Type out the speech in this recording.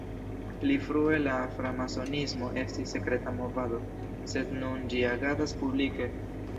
Pli frue la framasonismo estis sekreta movado, sed nun ĝi agadas publike.